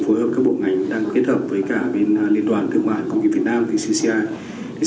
phối hợp các bộ ngành đang kết hợp với cả bên liên đoàn thương mại công nghiệp việt nam vcci